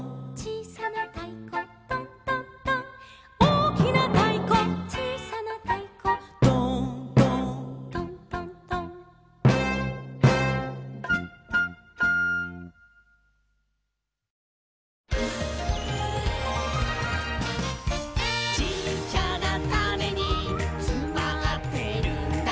「おおきなたいこちいさなたいこ」「ドーンドーントントントン」「ちっちゃなタネにつまってるんだ」